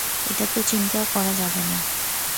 এটা তো চিন্তাও করা যাবে না।